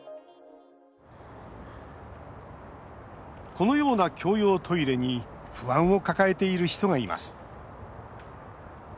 このような共用トイレに不安を抱えている人がいます。